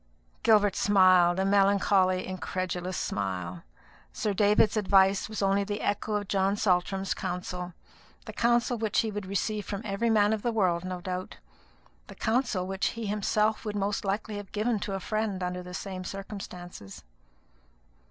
Gilbert smiled, a melancholy incredulous smile. Sir David's advice was only the echo of John Saltram's counsel the counsel which he would receive from every man of the world, no doubt the counsel which he himself would most likely have given to a friend under the same circumstances.